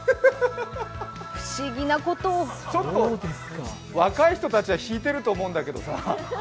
不思議なことをちょっと若い人たちはひいてると思うんだけどさ。